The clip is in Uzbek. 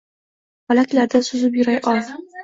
Falaklarda suzib yurar oy…